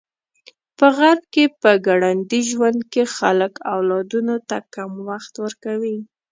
په غرب کې په ګړندي ژوند کې خلک اولادونو ته کم وخت ورکوي.